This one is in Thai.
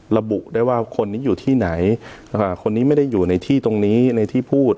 ระบุได้ว่าคนนี้อยู่ที่ไหนคนนี้ไม่ได้อยู่ในที่ตรงนี้ในที่พูด